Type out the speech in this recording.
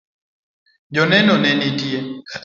Joneno nitie